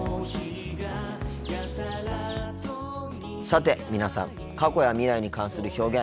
さて皆さん過去や未来に関する表現